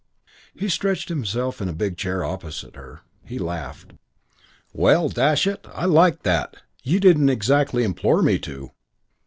He stretched himself in a big chair opposite her. He laughed. "Well, dash it, I like that. You didn't exactly implore me to."